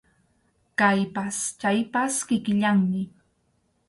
Kaypas chaypas kikillanmi.